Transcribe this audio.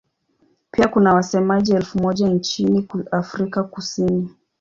Pia kuna wasemaji elfu moja nchini Afrika Kusini.